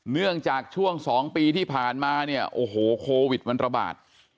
เนื่องจากช่วง๒ปีที่ผ่านมาเนี่ยโอ้โหโควิดมันระบาด